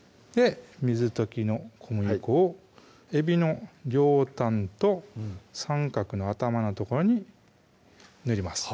水溶きの小麦粉をえびの両端と三角の頭の所に塗ります